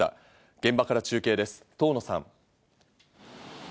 現場から中継です、遠野さん。